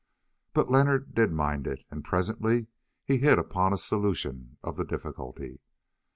But Leonard did mind it, and presently he hit upon a solution of the difficulty.